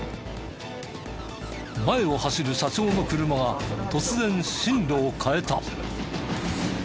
前を走る社長の車が突然進路を変えた。